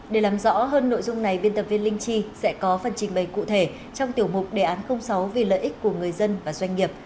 để làm rõ hơn nội dung này biên tập viên linh chi sẽ có phần trình bày cụ thể trong tiểu mục đề án sáu vì lợi ích của người dân và doanh nghiệp